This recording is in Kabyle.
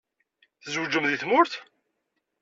Tzewǧem deg tmurt?